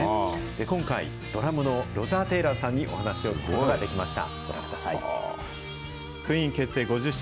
今回、ドラムのロジャー・テイラーさんにお話を聞くことができました。